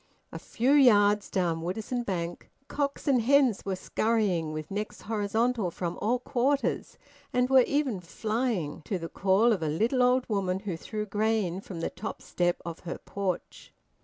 A few yards down Woodisun Bank, cocks and hens were scurrying, with necks horizontal, from all quarters, and were even flying, to the call of a little old woman who threw grain from the top step of her porch.